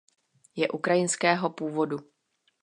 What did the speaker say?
Je ukrajinského původu.